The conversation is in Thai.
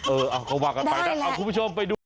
เอาไปกันไปนะเอาคุณผู้ชมไปดู